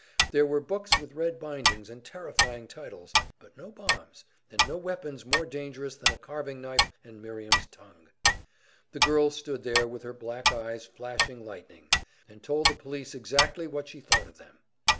There were books with red bindings and terrifying titles, but no bombs, and no weapons more dangerous than a carving knife and Miriam's tongue. The girl stood there with her black eyes flashing lightnings, and told the police exactly what she thought of them.